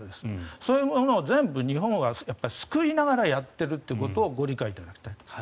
そういうものを全部日本は救いながらやっているということをご理解いただきたいと思います。